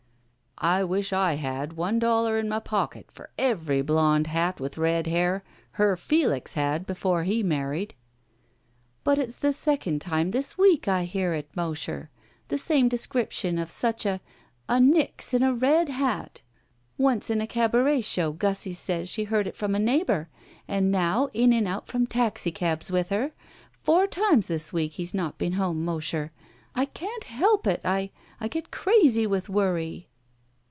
"I wish I had one dollar in my pocket for every blond hat with red hair her Felix had before he married." "But it's the second time this week I hear it, Mosher. The same description of such a — a nix in a red hat. Once in a cabaret show Gussie says she heard it from a neighbor, and now in and out from taxicabs with her. Four times this week he's not been home, Mosher. I can't help it, I — ^I get crazy with worry."